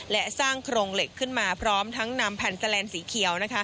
และสร้างโครงเหล็กขึ้นมาพร้อมทั้งนำแผ่นแลนสีเขียว